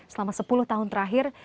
selama sepuluh tahun terakhir